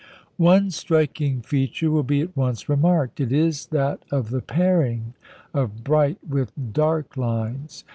One striking feature will be at once remarked. It is that of the pairing of bright with dark lines.